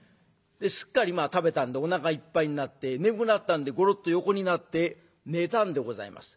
すっかり食べたんでおなかいっぱいになって眠くなったんでゴロッと横になって寝たんでございます。